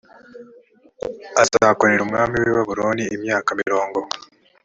azakorera umwami w i babuloni imyaka mirongo